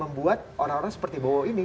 membuat orang orang seperti bowo ini